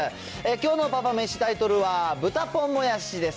きょうのパパめし、タイトルは豚ポンもやしです。